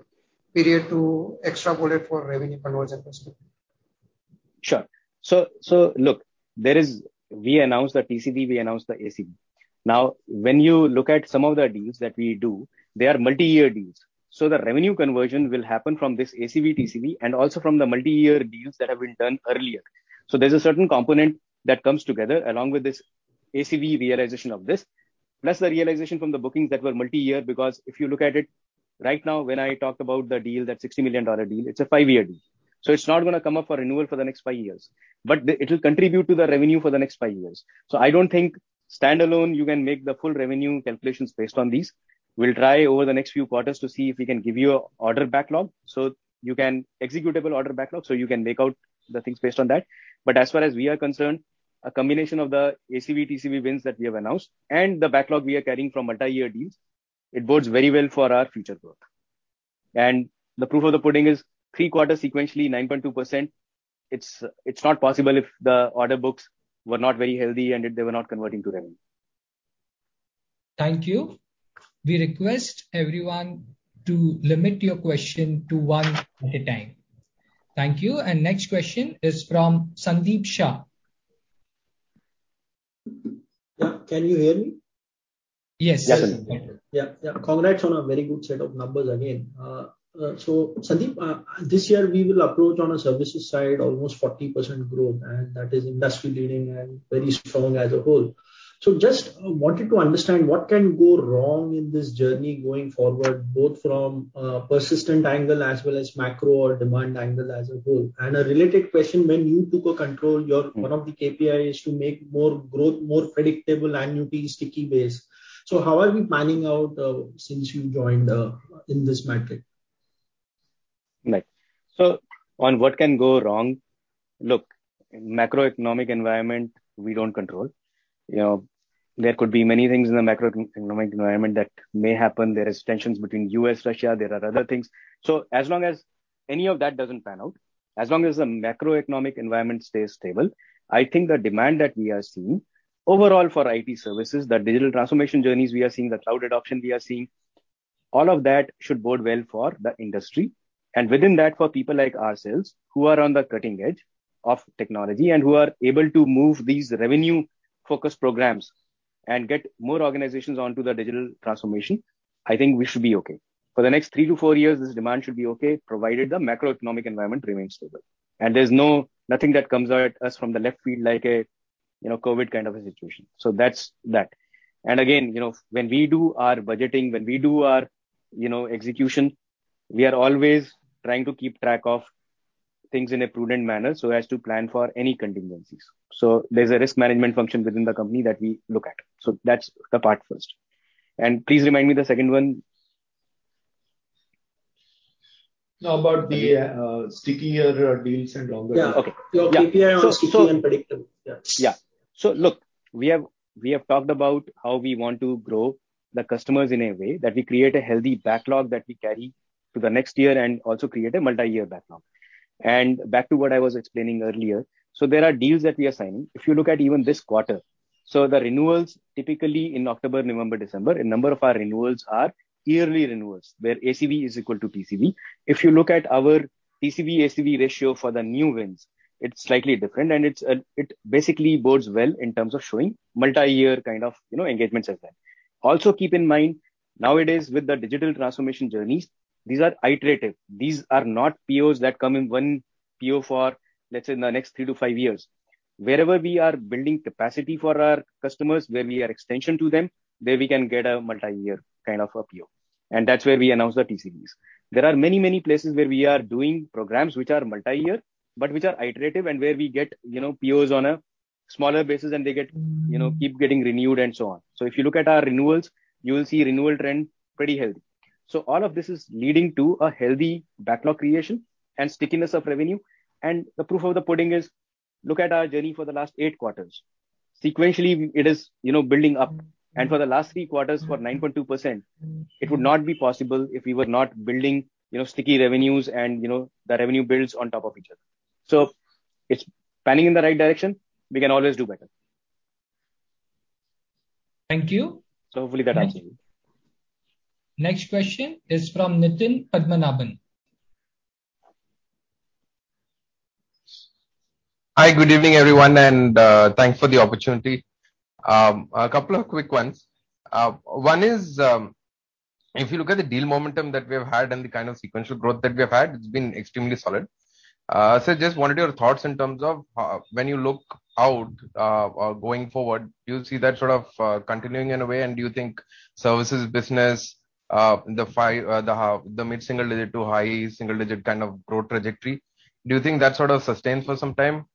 period to extrapolate for revenue conversion perspective? Sure. Look, we announced the TCV, we announced the ACV. Now, when you look at some of the deals that we do, they are multi-year deals. The revenue conversion will happen from this ACV, TCV, and also from the multi-year deals that have been done earlier. There's a certain component that comes together along with this ACV realization of this, plus the realization from the bookings that were multi-year. Because if you look at it right now when I talk about the deal, that $60 million deal, it's a five-year deal. It's not gonna come up for renewal for the next five years. But it'll contribute to the revenue for the next five years. I don't think standalone you can make the full revenue calculations based on these. We'll try over the next few quarters to see if we can give you executable order backlog, so you can make out the things based on that. As far as we are concerned, a combination of the ACV, TCV wins that we have announced and the backlog we are carrying from multi-year deals, it bodes very well for our future growth. The proof of the pudding is three quarters sequentially 9.2%, it's not possible if the order books were not very healthy and if they were not converting to revenue. Thank you. We request everyone to limit your question to one at a time. Thank you. Next question is from Sandeep Shah. Yeah. Can you hear me? Yes. Yes. Congrats on a very good set of numbers again. Sandeep, this year we will approach on a services side almost 40% growth, and that is industry leading and very strong as a whole. Just wanted to understand what can go wrong in this journey going forward, both from Persistent angle as well as macro or demand angle as a whole. A related question, when you took control, one of the KPIs is to make more growth, more predictable annuity sticky base. How are we planning out since you joined in this metric? Right. On what can go wrong, look, macroeconomic environment we don't control. You know, there could be many things in the macroeconomic environment that may happen. There is tension between U.S., Russia, there are other things. As long as any of that doesn't pan out, as long as the macroeconomic environment stays stable, I think the demand that we are seeing overall for IT services, the digital transformation journeys we are seeing, the cloud adoption we are seeing, all of that should bode well for the industry. Within that, for people like ourselves who are on the cutting edge of technology and who are able to move these revenue-focused programs and get more organizations onto the digital transformation, I think we should be okay. For the next three to four years, this demand should be okay, provided the macroeconomic environment remains stable. There's no- nothing that comes at us from the left field like a you know COVID kind of a situation. That's that. Again, you know, when we do our budgeting, when we do our you know execution, we are always trying to keep track of things in a prudent manner so as to plan for any contingencies. There's a risk management function within the company that we look at. That's the part first. Please remind me the second one. About the stickier deals and longer- Okay. Yeah. Your KPI on sticky and predictable. Yeah. Yeah. Look, we have talked about how we want to grow the customers in a way that we create a healthy backlog that we carry to the next year and also create a multi-year backlog. Back to what I was explaining earlier, there are deals that we are signing. If you look at even this quarter, the renewals typically in October, November, December, a number of our renewals are yearly renewals, where ACV is equal to TCV. If you look at our TCV, ACV ratio for the new wins, it's slightly different and it's it basically bodes well in terms of showing multi-year kind of, you know, engagements as that. Also keep in mind, nowadays with the digital transformation journeys, these are iterative. These are not POs that come in one PO for, let's say, in the next three to five years. Wherever we are building capacity for our customers, where we are an extension to them, where we can get a multi-year kind of a PO. That's where we announce the TCVs. There are many, many places where we are doing programs which are multi-year, but which are iterative and where we get, you know, POs on a smaller basis and they, you know, keep getting renewed and so on. If you look at our renewals, you will see renewal trend pretty healthy. All of this is leading to a healthy backlog creation and stickiness of revenue. The proof of the pudding is, look at our journey for the last eight quarters. Sequentially it is, you know, building up. For the last three quarters for 9.2%. It would not be possible if we were not building, you know, sticky revenues and, you know, the revenue builds on top of each other. It's panning out in the right direction. We can always do better. Thank you. Hopefully that answers you. Next question is from Nitin Padmanabhan. Hi. Good evening, everyone, and thanks for the opportunity. A couple of quick ones. One is, if you look at the deal momentum that we have had and the kind of sequential growth that we have had, it's been extremely solid. So just wanted your thoughts in terms of, when you look out, going forward, do you see that sort of continuing in a way? Do you think services business, the mid-single digit to high single digit kind of growth trajectory, do you think that sort of sustains for some time?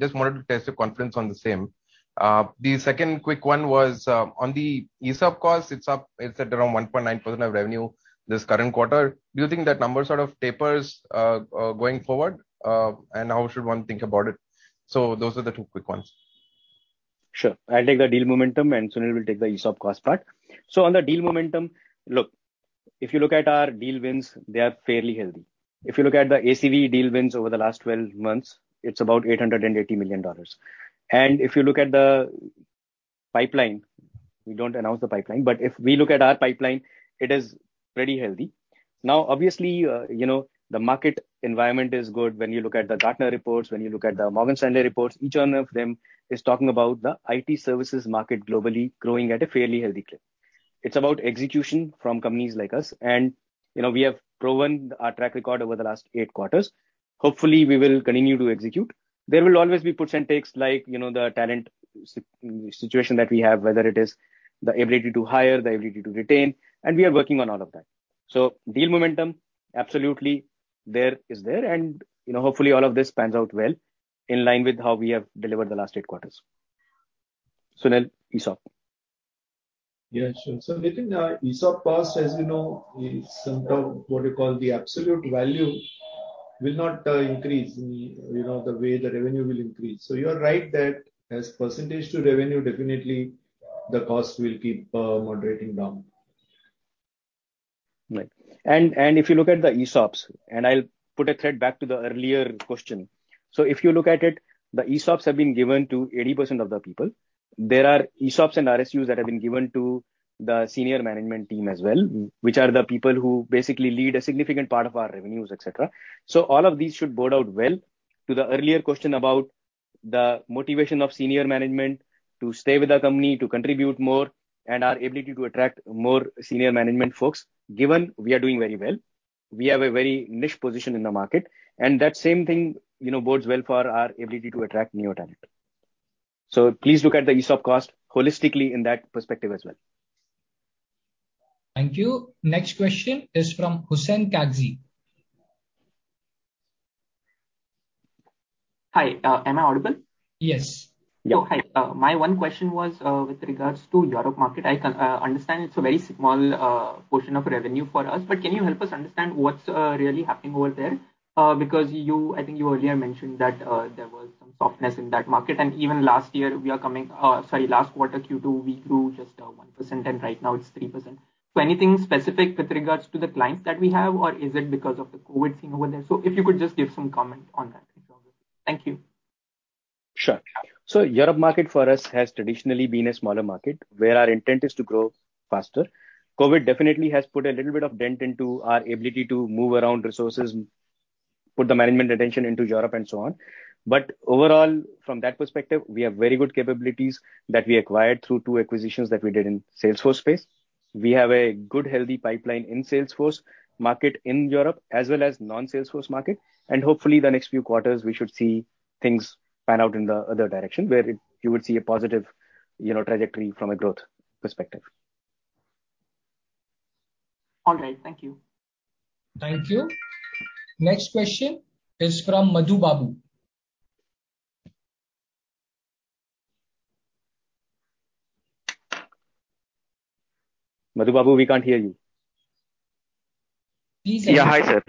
Just wanted to test your confidence on the same. The second quick one was, on the ESOP costs, it's up, it's at around 1.9% of revenue this current quarter. Do you think that number sort of tapers, going forward? How should one think about it? Those are the two quick ones. Sure. I'll take the deal momentum and Sunil will take the ESOP cost part. On the deal momentum, look, if you look at our deal wins, they are fairly healthy. If you look at the ACV deal wins over the last 12 months, it's about $880 million. If you look at the pipeline, we don't announce the pipeline. If we look at our pipeline, it is pretty healthy. Now, obviously, you know, the market environment is good. When you look at the Gartner reports, when you look at the Morgan Stanley reports, each one of them is talking about the IT services market globally growing at a fairly healthy clip. It's about execution from companies like us. You know, we have proven our track record over the last eight quarters. Hopefully, we will continue to execute. There will always be push and takes like, you know, the talent situation that we have. Whether it is the ability to hire, the ability to retain, and we are working on all of that. Deal momentum, absolutely there is. You know, hopefully all of this pans out well in line with how we have delivered the last eight quarters. Sunil, ESOP. Yeah, sure. Within ESOP cost, as you know, some of what you call the absolute value will not increase, you know, the way the revenue will increase. You are right that as a percentage of revenue, definitely the cost will keep moderating down. Right. If you look at the ESOPs, and I'll put a thread back to the earlier question. If you look at it, the ESOPs have been given to 80% of the people. There are ESOPs and RSUs that have been given to the senior management team as well. Which are the people who basically lead a significant part of our revenues, et cetera. All of these should bode out well. To the earlier question about the motivation of senior management to stay with the company, to contribute more, and our ability to attract more senior management folks, given we are doing very well. We have a very niche position in the market, and that same thing, you know, bodes well for our ability to attract new talent. Please look at the ESOP cost holistically in that perspective as well. Thank you. Next question is from Hussain Kagzi. Hi, am I audible? Yes. Yeah. Oh, hi. My one question was with regards to European market. I understand it's a very small portion of revenue for us. Can you help us understand what's really happening over there? Because I think you earlier mentioned that there was some softness in that market. Last quarter Q2, we grew just 1%, and right now it's 3%. Anything specific with regards to the clients that we have? Or is it because of the COVID thing over there? If you could just give some comment on that. Thank you. Sure. Europe market for us has traditionally been a smaller market where our intent is to grow faster. COVID definitely has put a little bit of dent into our ability to move around resources, put the management attention into Europe and so on. Overall, from that perspective, we have very good capabilities that we acquired through two acquisitions that we did in Salesforce space. We have a good, healthy pipeline in Salesforce market in Europe as well as non-Salesforce market. Hopefully the next few quarters we should see things pan out in the other direction you would see a positive, you know, trajectory from a growth perspective. All right. Thank you. Thank you. Next question is from Madhu Babu. Madhu Babu, we can't hear you. Please- Hi,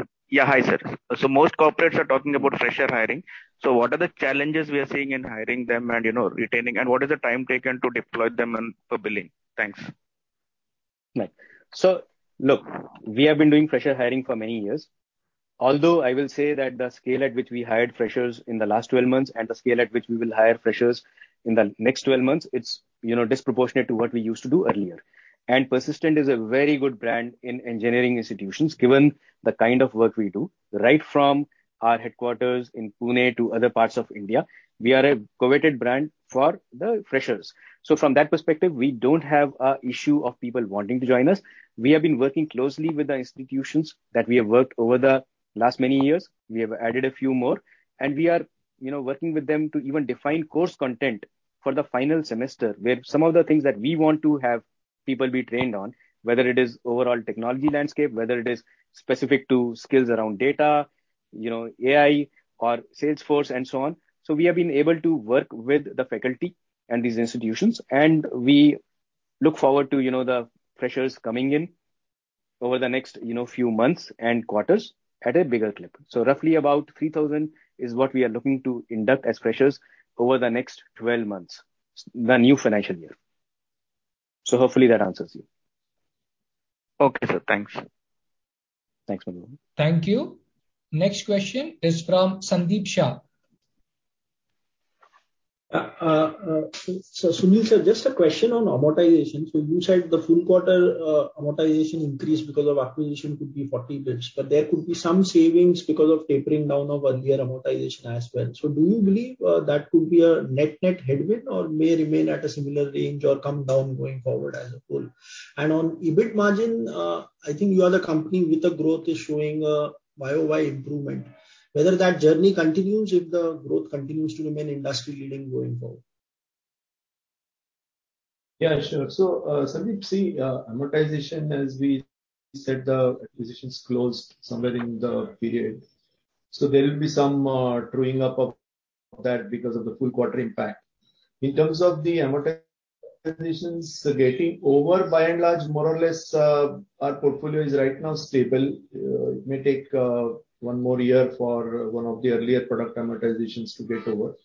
sir. Most corporates are talking about fresher hiring. What are the challenges we are seeing in hiring them and, you know, retaining? What is the time taken to deploy them and for billing? Thanks. Right. Look, we have been doing fresher hiring for many years. Although I will say that the scale at which we hired freshers in the last 12 months and the scale at which we will hire freshers in the next 12 months, it's, you know, disproportionate to what we used to do earlier. Persistent is a very good brand in engineering institutions, given the kind of work we do. Right from our headquarters in Pune to other parts of India, we are a coveted brand for the freshers. From that perspective, we don't have a issue of people wanting to join us. We have been working closely with the institutions that we have worked over the last many years. We have added a few more. We are, you know, working with them to even define course content for the final semester, where some of the things that we want to have people be trained on, whether it is overall technology landscape, whether it is specific to skills around data, you know, AI or Salesforce and so on. We have been able to work with the faculty and these institutions. We look forward to, you know, the freshers coming in over the next, you know, few months and quarters at a bigger clip. Roughly about 3,000 is what we are looking to induct as freshers over the next 12 months, the new financial year. Hopefully that answers you. Okay, sir. Thanks. Thanks. Thank you. Next question is from Sandeep Shah. Sunil, sir, just a question on amortization. You said the full quarter amortization increase because of acquisition could be 40 basis points. There could be some savings because of tapering down of earlier amortization as well. Do you believe that could be a net-net headwind or may remain at a similar range or come down going forward as a whole? On EBIT margin, I think you are the company with the growth is showing YoY improvement. Whether that journey continues if the growth continues to remain industry-leading going forward. Yeah, sure. Sandeep, see, amortization, as we said, the acquisition's closed somewhere in the period. There will be some truing up of that because of the full quarter impact. In terms of the amortization getting over by and large, more or less, our portfolio is right now stable. It may take one more year for one of the earlier product amortizations to get over.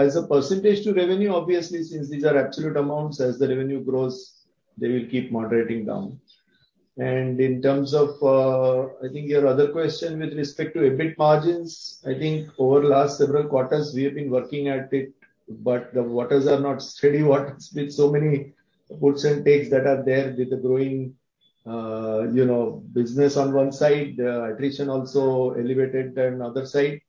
As a percentage to revenue, obviously, since these are absolute amounts, as the revenue grows, they will keep moderating down. In terms of, I think your other question with respect to EBIT margins, I think over the last several quarters we have been working at it, but the waters are not steady waters with so many puts and takes that are there with the growing, you know, business on one side, attrition also elevated on other side.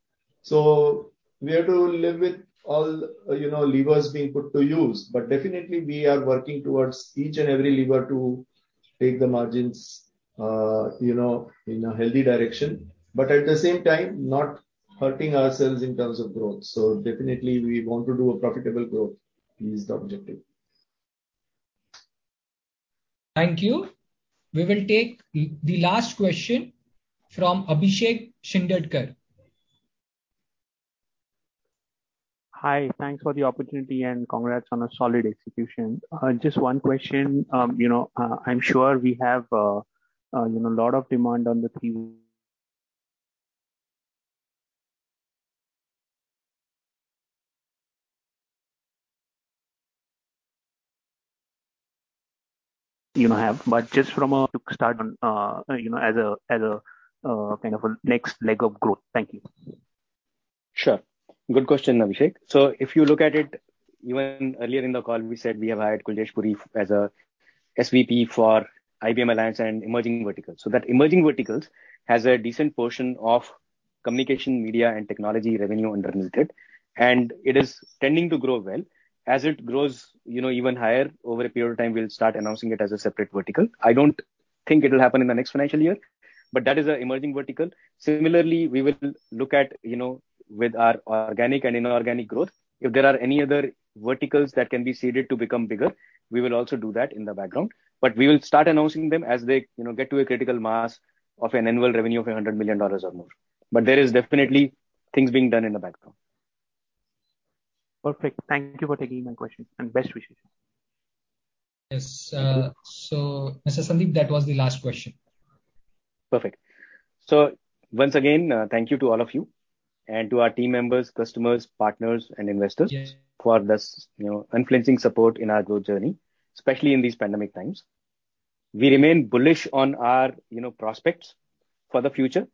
We have to live with all, you know, levers being put to use. Definitely we are working towards each and every lever to take the margins, you know, in a healthy direction, but at the same time not hurting ourselves in terms of growth. Definitely we want to do a profitable growth is the objective. Thank you. We will take the last question from Abhishek Shindadkar. Hi. Thanks for the opportunity and congrats on a solid execution. Just one question. You know, I'm sure we have, you know, a lot of demand on the team. You know, but just from a standpoint, you know, as a kind of a next leg of growth. Thank you. Sure. Good question, Abhishek. If you look at it, even earlier in the call, we said we have hired Kuljesh Puri as a SVP for IBM Alliance and Emerging Verticals. That emerging verticals has a decent portion of communication, media and technology revenue under Limited, and it is tending to grow well. As it grows, you know, even higher over a period of time, we'll start announcing it as a separate vertical. I don't think it will happen in the next financial year, but that is an emerging vertical. Similarly, we will look at, you know, with our organic and inorganic growth, if there are any other verticals that can be seeded to become bigger, we will also do that in the background. We will start announcing them as they, you know, get to a critical mass of an annual revenue of $100 million or more. There is definitely things being done in the background. Perfect. Thank you for taking my question and best wishes. Yes. Mr. Sandeep Kalra, that was the last question. Perfect. Once again, thank you to all of you and to our team members, customers, partners, and investors. Thank you for this, you know, unflinching support in our growth journey, especially in these pandemic times. We remain bullish on our, you know, prospects for the future,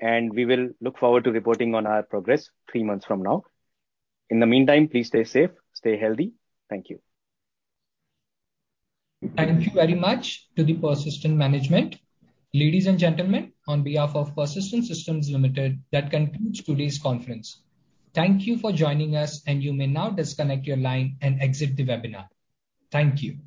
and we will look forward to reporting on our progress three months from now. In the meantime, please stay safe, stay healthy. Thank you. Thank you very much to the Persistent management. Ladies and gentlemen, on behalf of Persistent Systems Limited, that concludes today's conference. Thank you for joining us, and you may now disconnect your line and exit the webinar. Thank you. Thank you.